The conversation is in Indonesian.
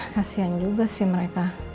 kasian juga sih mereka